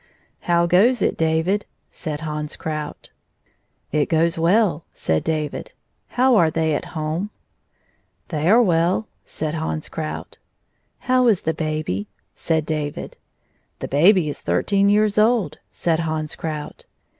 " How goes it, David ?" said Hans Krout 170 " It goes well/^ said David, " How are they at home ?^'" They are well/' said Hans Krout " How is the hahy 1 " said David. "The baby is thirteen years old/' said Hans Krout.